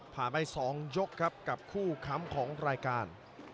ไป๒ยกครับกับคู่ค้ำของรายการ